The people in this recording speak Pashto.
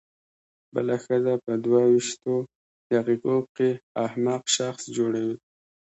بله ښځه په دوه وېشتو دقیقو کې احمق شخص جوړوي.